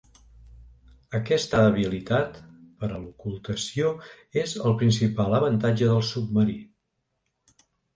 Aquesta habilitat per a l'ocultació és el principal avantatge del submarí.